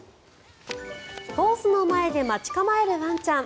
ホースの前で待ち構えるワンちゃん。